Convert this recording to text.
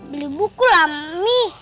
beli buku lah mami